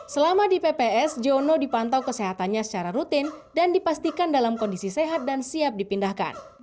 selama di pps jono dipantau kesehatannya secara rutin dan dipastikan dalam kondisi sehat dan siap dipindahkan